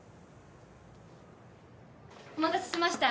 お待たせしました。